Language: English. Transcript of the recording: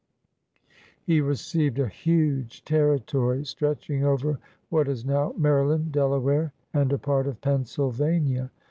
He received a huge territory, stretching over what is now Maryland, Delaware, and a part of Pennsylvania.